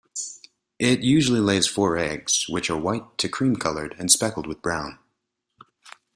It usually lays four eggs, which are white to cream-colored and speckled with brown.